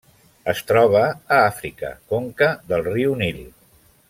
Es troba a Àfrica: conca del riu Nil.